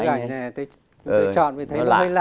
bức ảnh này tôi chọn vì thấy nó hơi lạ